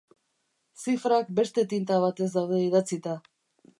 Zifrak beste tinta batez daude idatzita.